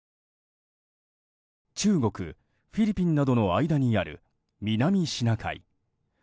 中国、フィリピンなどの間にある南シナ海。